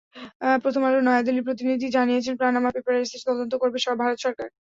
প্রথম আলোর নয়াদিল্লি প্রতিনিধি জানিয়েছেন, পানামা পেপারসের তদন্ত করবে ভারত সরকার।